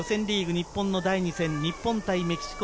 日本の第２戦、日本対メキシコ。